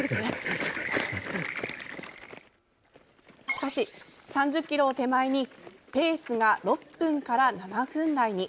しかし３０ｋｍを手前にペースが６分から７分台に。